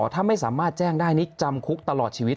ถ้าไม่สามารถแจ้งได้นี่จำคุกตลอดชีวิต